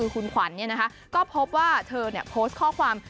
คุณขวัญก็พบว่าเธอโพสต์ข้อความ